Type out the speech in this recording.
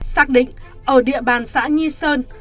xác định ở địa bàn xã nhi sơn